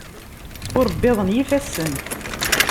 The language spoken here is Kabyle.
Ur wwiḍen yifassen.